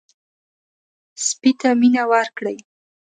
سپي ته مینه ورکړئ.